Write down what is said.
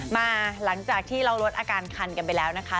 หลังจากที่เราลดอาการคันกันไปแล้วนะคะ